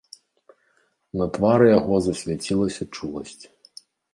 На твары яго засвяцілася чуласць.